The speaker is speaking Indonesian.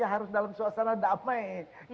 harus dalam suasana damai